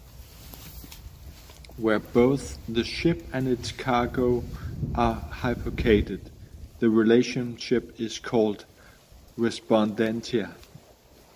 Where both the ship and its cargo are hypothecated, the relationship is called respondentia.